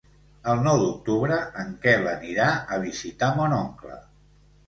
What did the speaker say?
El nou d'octubre en Quel anirà a visitar mon oncle.